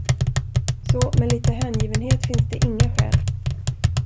Så med lite hängivenhet finns det inga skäl.